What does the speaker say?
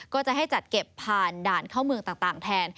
ก็จะให้จัดเก็บผ่านด่านเข้าเมืองต่างแทน